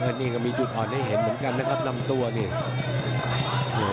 น้ำเงินก็มีจุดอ่อนออกเห็นเหมือนกันนะครับนำตัวนี้